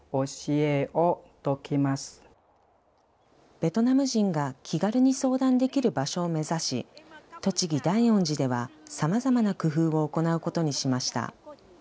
ベトナム人が気軽に相談できる場所を目指し、栃木大恩寺ではさまざまな工夫を行うことにしました。